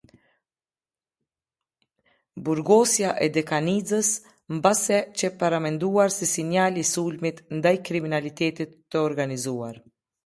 Burgosja e Dekanixes mbase qe paramenduar si sinjal i sulmit ndaj kriminalitetit të organizuar.